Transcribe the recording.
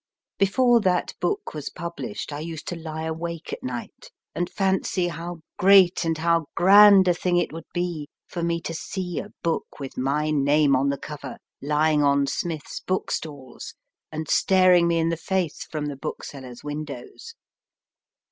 Before that book was published, I used to lie awake at night and fancy how great and how grand a thing it would 12 CLARENCE TERRACE 7 6 MY FIRST BOOK be for me to see a book with my name on the cover lying on Smith s bookstalls, and staring me in the face from the book sellers windows.